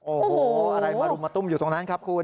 โอ้โหอะไรมารุมมาตุ้มอยู่ตรงนั้นครับคุณ